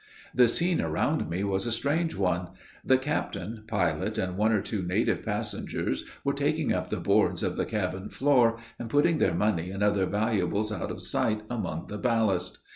The scene around me was a strange one. The captain, pilot, and one or two native passengers were taking up the boards of the cabin floor, and putting their money and other valuables out of sight, among the ballast.